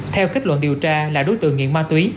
theo kết luận điều tra là đối tượng nghiện ma túy